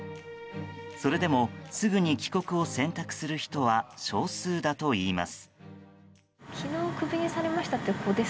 それでも、すぐに帰国を選択する人は少数だといいます。